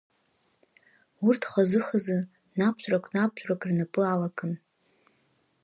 Урҭ хазыхазы наптәрак-наптәрак рнапы алакын.